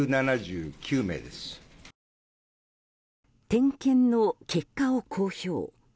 点検の結果を公表。